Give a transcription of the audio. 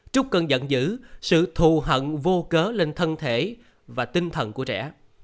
trúc cân giận dữ sự thù hận vô cớ lên thân thể và tinh thần của trẻ